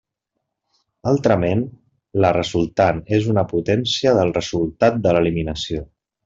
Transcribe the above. Altrament, la resultant és una potència del resultat de l'eliminació.